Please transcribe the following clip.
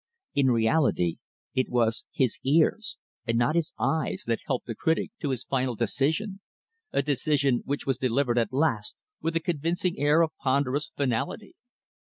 In reality it was his ears and not his eyes that helped the critic to his final decision a decision which was delivered, at last, with a convincing air of ponderous finality.